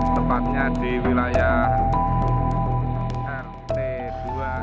tepatnya di wilayah rt dua